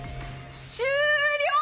終了！